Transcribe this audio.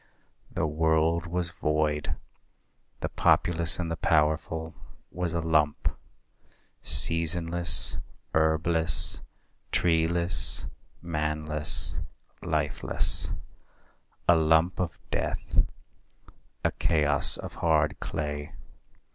The World was void, The populous and the powerful was a lump, 70 Seasonless, herbless, treeless, manless, lifeless A lump of death a chaos of hard clay.